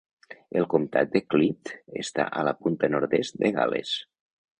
El comtat de Clwyd està a la punta nord-est de Gal·les.